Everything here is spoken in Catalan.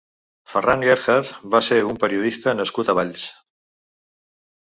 Ferran Gerhard va ser un periodista nascut a Valls.